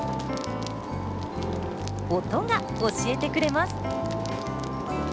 音が教えてくれます。